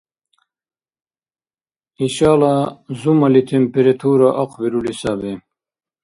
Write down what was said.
Ишала зумали температура ахъбирули саби